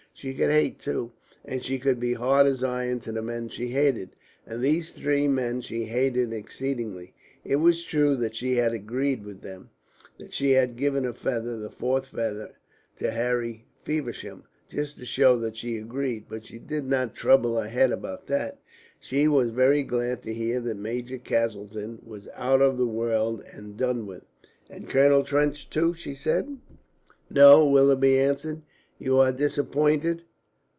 She could hate, too, and she could be hard as iron to the men she hated. And these three men she hated exceedingly. It was true that she had agreed with them, that she had given a feather, the fourth feather, to Harry Feversham just to show that she agreed, but she did not trouble her head about that. She was very glad to hear that Major Castleton was out of the world and done with. "And Colonel Trench too?" she said. "No," Willoughby answered. "You are disappointed?